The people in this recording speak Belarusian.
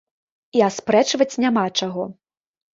І аспрэчваць няма чаго.